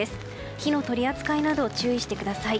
火の取り扱いなど注意してください。